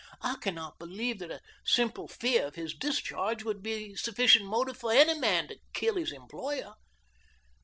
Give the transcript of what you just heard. "I cannot believe that a simple fear of his discharge would be sufficient motive for any man to kill his employer."